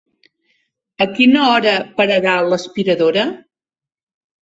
A quina hora pararà l'aspiradora?